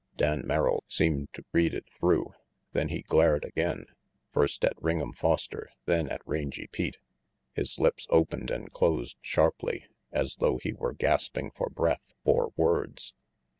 Dan Merrill seemed to read it through, then he glared again, first at Ring'em Foster, then at Rangy Pete. His lips opened and closed sharply, as though he were gasping for breath or words.